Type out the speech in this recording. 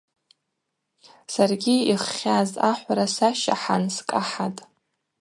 Саргьи йххьаз ахӏвра сащахӏан скӏахӏатӏ.